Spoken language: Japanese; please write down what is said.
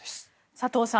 佐藤さん